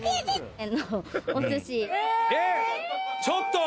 ちょっと！